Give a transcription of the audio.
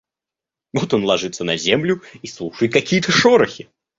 Вот он ложится на землю и слушает какие-то шорохи.